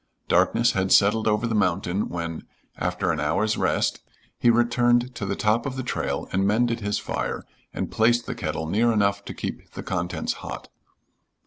Darkness had settled over the mountain when, after an hour's rest, he returned to the top of the trail and mended his fire and placed his kettle near enough to keep the contents hot.